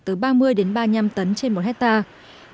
từ ba mươi đến ba mươi năm tấn trên một hectare